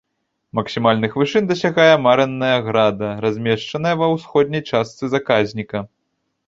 Максімальных вышынь дасягае марэнная града, размешчаная ва ўсходняй частцы заказніка.